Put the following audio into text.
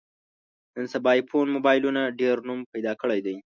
نن سبا ایفون مبایلونو ډېر نوم پیدا کړی دی.